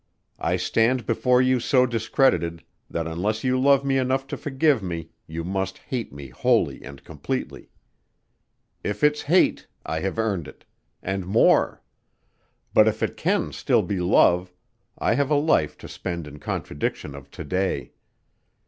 I stand before you so discredited that unless you love me enough to forgive me you must hate me wholly and completely. If it's hate, I have earned it and more, but if it can still be love, I have a life to spend in contradiction of to day.